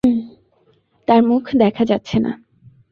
তার মুখ দেখা যাচ্ছে না।